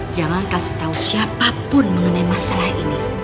jangan kasih tahu siapapun mengenai masalah ini